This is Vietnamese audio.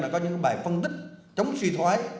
đã có những bài phân tích chống suy thoái